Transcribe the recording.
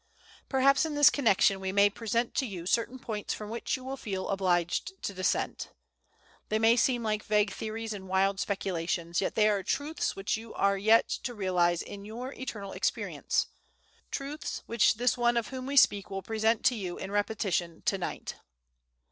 Perhaps in this connection we may present to you certain points from which you will feel obliged to dissent. They may seem like vague theories and wild speculations, yet they are truths which you are yet to realize in your eternal experience, truths which this one of whom we speak will present to you in repetition to night.